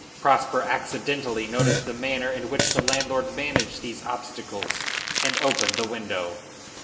Prosper accidentally noticed the manner in which the landlord managed these obstacles and opened the window.